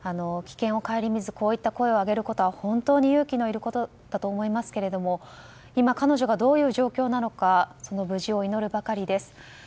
危険を顧みずこういった声を上げることは本当に勇気のいることだと思いますけれども今、彼女がどういう状況なのかその無事を祈るばかりです。